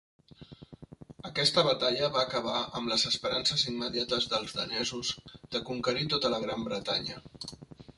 Aquesta batalla va acabar amb les esperances immediates dels danesos de conquerir tota la Gran Bretanya.